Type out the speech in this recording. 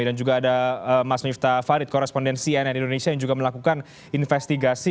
dan juga ada mas miftah farid korrespondensi nn indonesia yang juga melakukan investigasi